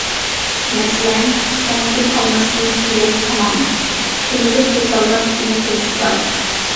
مەسىلەن: سۆڭىكىم ئالماستىن پۈتۈلگەن تامام، كېمىرىپ يۇتالماس ئىنەك تۇمشۇقلار.